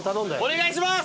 お願いします！